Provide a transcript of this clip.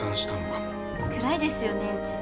暗いですよねうち。